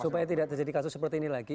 supaya tidak terjadi kasus seperti ini lagi